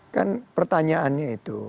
kan pertanyaannya itu